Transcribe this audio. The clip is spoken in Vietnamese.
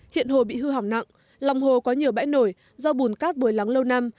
hiện hồ bị hư hỏng nặng lòng hồ có nhiều bãi nổi do bùn cát bồi lắng lâu năm